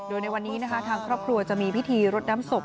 โดยในวันนี้นะคะทางครอบครัวจะมีพิธีรดน้ำศพ